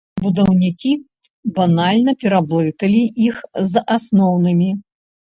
Будаўнікі банальна пераблыталі іх з асноўнымі.